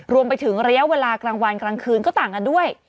รวมไปถึงระยะเวลากลางวันกลางคืนก็ต่างกันด้วย